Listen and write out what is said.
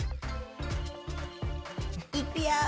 いくよ！